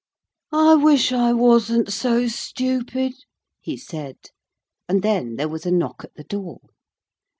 'I wish I wasn't so stupid,' he said, and then there was a knock at the door.